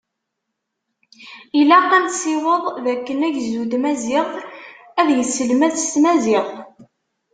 Ilaq ad nesiweḍ dakken agezdu n tmaziɣt, ad yesselmad s tmaziɣt.